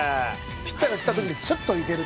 ピッチャーが来た時にスッといける。